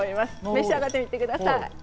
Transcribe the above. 召し上がってみてくだ